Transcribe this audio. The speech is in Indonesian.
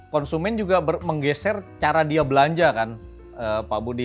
konsumen juga menggeser cara dia belanja kan pak budi